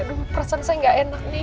duh perasaan saya gak enak nih